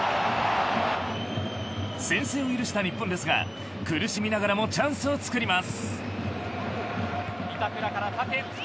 先制を許した日本ですが苦しみながらもチャンスをつくります。